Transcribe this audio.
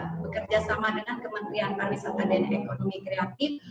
bekerja sama dengan kementerian pariwisata dan ekonomi kreatif